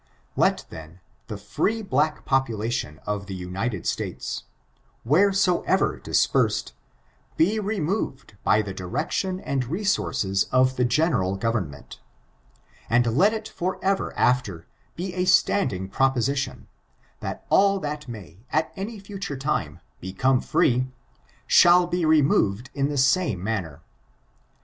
Let, then, the free black population of the United States, wheresoever dispersed, be removed by the direction and resources of the general government ; and let it for ever after be a standing proposition^ that all that may, at any future time, become free, shall be removed in the same manner.